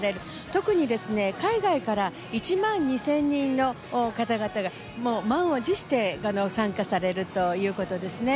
特に海外から１万２０００人の方々が満を持して参加されるということです。